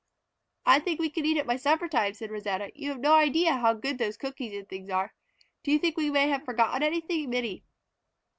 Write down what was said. "I think we can eat it by supper time," said Rosanna. "You have no idea how good those cookies and things are. Do you think we have forgotten anything, Minnie?"